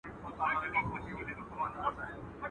ول دښمن دي ړوند دئ، ول بينايي ئې کېږي.